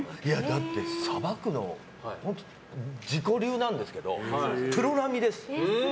だって、さばくの自己流なんですけどプロ並みです。